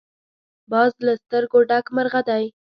باز له سترګو ډک مرغه دی